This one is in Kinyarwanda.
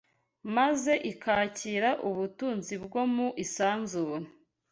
maze ikakira ubutunzi bwo mu isanzure